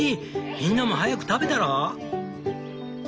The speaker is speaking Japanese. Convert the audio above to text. みんなも早く食べたら？」。